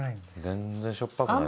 全然しょっぱくない。